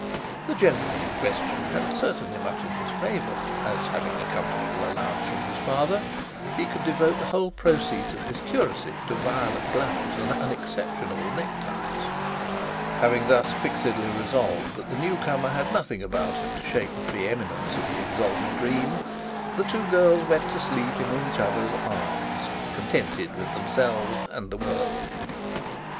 The gentleman in question had certainly much in his favour, as, having a comfortable allowance from his father, he could devote the whole proceeds of his curacy to violet gloves and unexceptionable neck ties. Having thus fixedly resolved that the new comer had nothing about him to shake the pre eminence of the exalted Green, the two girls went to sleep in each other's arms, contented with themselves and the world.